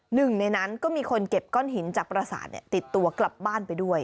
หนึ่งในนั้นก็มีคนเก็บก้อนหินจากประสาทติดตัวกลับบ้านไปด้วย